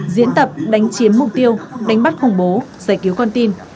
diễn tập đánh chiếm mục tiêu đánh bắt khủng bố giải cứu con tin